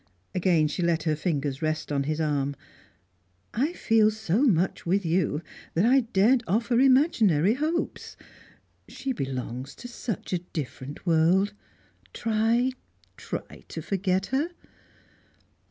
Again she let her fingers rest on his arm. "I feel so much with you that I daren't offer imaginary hopes. She belongs to such a different world, try, try to forget her."